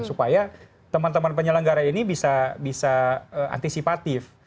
supaya teman teman penyelenggara ini bisa antisipatif